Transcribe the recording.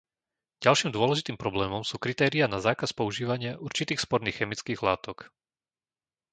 Ďalším dôležitým problémom sú kritériá na zákaz používania určitých sporných chemických látok.